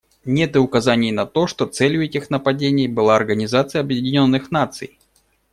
Нет и указаний на то, что целью этих нападений была Организация Объединенных Наций.